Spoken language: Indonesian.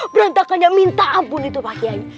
berantakannya minta ampun itu pak kiai